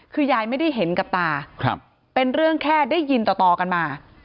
คือยายไม่ได้เห็นกับตาเป็นเรื่องแค่ได้ยินต่อกันมา